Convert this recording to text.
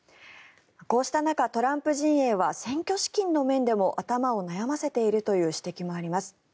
こうした中、トランプ陣営は選挙資金の面でも頭を悩ませているという指摘もあります。